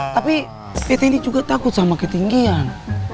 tapi pt ini juga takut sama ketinggian